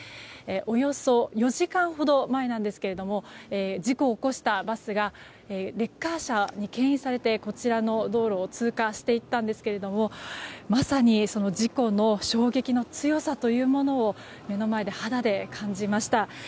およそ４時間ほど前なんですけれども事故を起こしたバスがレッカー車に牽引されてこちらの道路を通過していったんですけれどもまさに、事故の衝撃の強さというものを目の前で、肌で感じました。